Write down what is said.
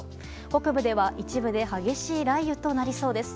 北部では一部で激しい雷雨となりそうです。